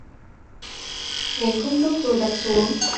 Uống cốc nước rồi đặt xuống